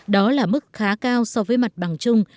đó là mức khá cao so với mặt bằng chung